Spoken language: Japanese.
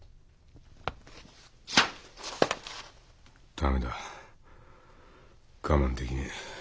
駄目だ我慢できねえ。